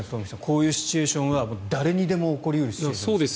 こういうシチュエーションは誰にでも起こり得るシチュエーション。